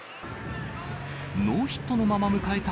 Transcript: ノーヒットのまま迎えた